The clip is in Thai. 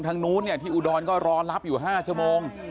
ทางนู้นที่อุดรก็รอรับอยู่๕ชั่วโมง